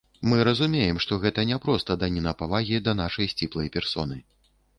Мы разумеем, што гэта не проста даніна павагі да нашай сціплай персоны.